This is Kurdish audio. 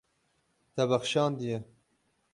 Te bexşandiye.